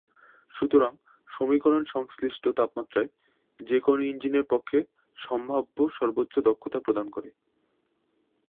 সুতরাং, সমীকরণ সংশ্লিষ্ট তাপমাত্রায় যে কোন ইঞ্জিনের পক্ষে সম্ভাব্য সর্বোচ্চ দক্ষতা প্রদান করে।